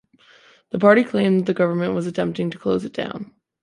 The party claimed that the government was attempting to close it down.